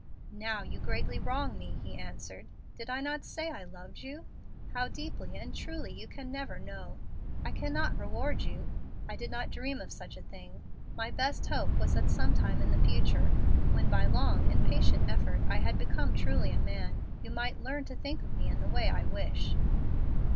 "Now you greatly wrong me," he answered. "Did I not say I loved you? How deeply and truly you can never know. I cannot reward you. I did not dream of such a thing. My best hope was that some time in the future, when by long and patient effort I had become truly a man, you might learn to think of me in the way I wish."